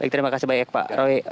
terima kasih banyak pak roy